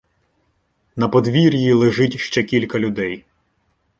На подвір'ї лежить ще кілька людей.